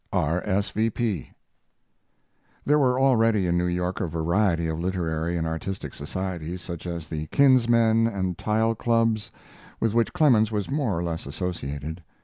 R. S. V. P. There were already in New York a variety of literary and artistic societies, such as The Kinsmen and Tile clubs, with which Clemens was more or less associated.